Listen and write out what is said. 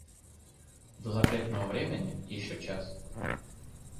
До запретного времени еще час.